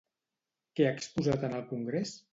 Què ha exposat en el Congrés?